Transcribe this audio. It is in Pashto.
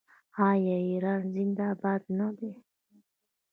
آیا ایران زنده باد نه دی؟